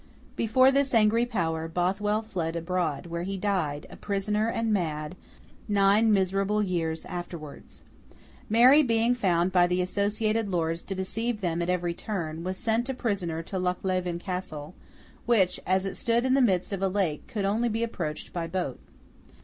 Before this angry power, Bothwell fled abroad, where he died, a prisoner and mad, nine miserable years afterwards. Mary being found by the associated lords to deceive them at every turn, was sent a prisoner to Lochleven Castle; which, as it stood in the midst of a lake, could only be approached by boat.